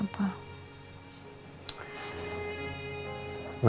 kamu tau kan alasannya kenapa